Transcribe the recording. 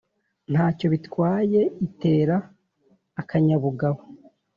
ntacyo bitwaye itera akanyabugabo.